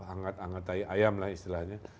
anggat anggatai ayam lah istilahnya